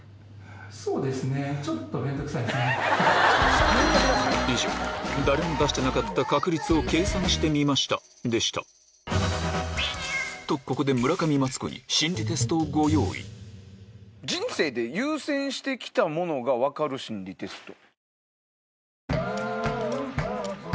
最後は「誰も出してなかった確率を計算してみました」でしたとここで村上マツコに「人生で優先して来たものが分かる心理テスト」。